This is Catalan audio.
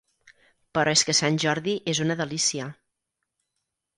Però és que Sant Jordi és una delícia.